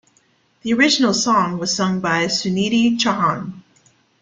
The original song was sung by Sunidhi Chauhan.